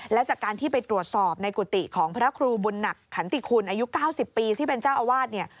และจากการที่ไปตรวจสอบในกุฏิของพระครูบุญหนักขันติคุณอายุ๙๐ปีที่เป็นเจ้าอาวาสเนี่ย